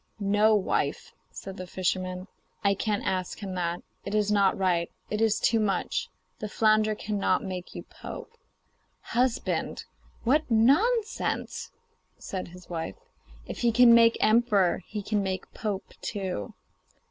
'No, wife,' said the fisherman; 'I can't ask him that. It is not right; it is too much. The flounder cannot make you pope.' 'Husband, what nonsense!' said his wife. 'If he can make emperor, he can make, pope too.